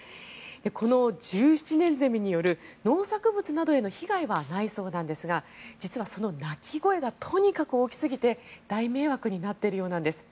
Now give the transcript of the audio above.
この１７年ゼミによる農作物などへの被害はないそうなんですが実はその鳴き声がとにかく大きすぎて、大迷惑になっているようなんです。